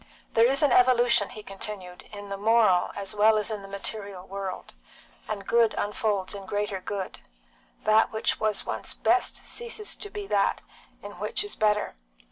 "There is an evolution," he continued, "in the moral as well as in the material world, and good unfolds in greater good; that which was once best ceases to be in that which is better.